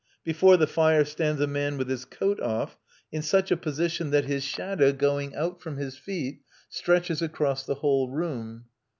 Before the fire stands a man with his coat off, in such a position that his shadow, going out from his feet, stretches across the whole room.